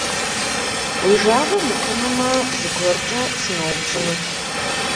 Уи жагъуэ мыхъунумэ, зыгуэркӀэ сыноупщӀынут.